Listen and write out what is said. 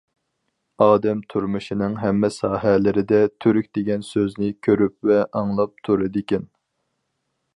ئادەم تۇرمۇشنىڭ ھەممە ساھەلىرىدە« تۈرك» دېگەن سۆزنى كۆرۈپ ۋە ئاڭلاپ تۇرىدىكەن.